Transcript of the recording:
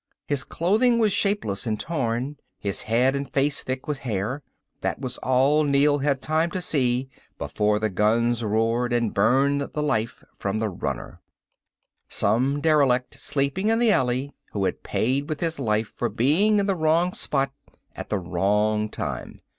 His clothing was shapeless and torn, his head and face thick with hair. That was all Neel had time to see before the guns roared and burned the life from the runner. Some derelict, sleeping in the alley, who had paid with his life for being in the wrong spot at the wrong time.